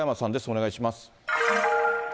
お願いします。